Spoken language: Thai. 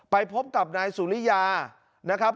ไปพบกับนายสุริยานะครับ